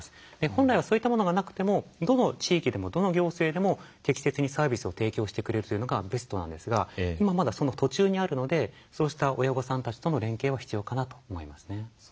本来はそういったものがなくてもどの地域でもどの行政でも適切にサービスを提供してくれるというのがベストなんですが今まだその途中にあるのでそうした親御さんたちとの連携は必要かなと思いますね。